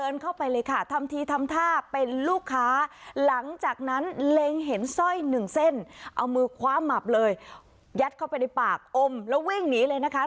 ยัดเข้าไปในปากอมแล้ววิ่งหนีเลยนะคะ